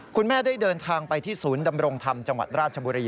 คุณแม่ได้เดินทางไปที่ศูนย์ดำรงธรรมจังหวัดราชบุรี